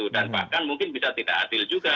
dan bahkan mungkin bisa tidak adil juga